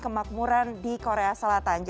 kemakmuran di korea selatan